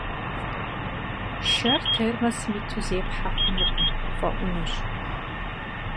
Шэр термосым иту зепхьэ хъунукъым, фӀэӀунущ.